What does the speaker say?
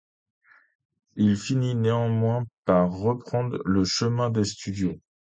Il finit néanmoins par reprendre le chemin des studios.